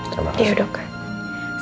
ya dok terima kasih